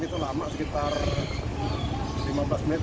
berapa lama tadi proses pemadaman